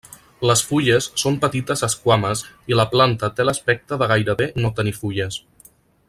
Les fulles són petites esquames i la planta té l'aspecte de gairebé no tenir fulles.